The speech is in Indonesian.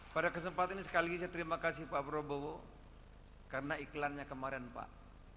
pada kesempatan ini sekali lagi saya terima kasih pak prabowo karena iklannya kemarin pak